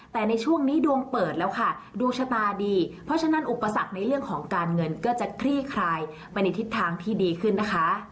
แต่ในช่วงนี้ดวงเปิดแล้วค่ะดวงชะตาดีเพราะฉะนั้นอุปสรรคในเรื่องของการเงินก็จะคลี่คลายไปในทิศทางที่ดีขึ้นนะคะ